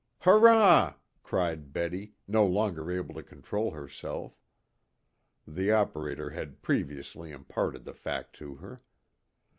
"Hurrah!" cried Betty, no longer able to control herself. The operator had previously imparted the fact to her.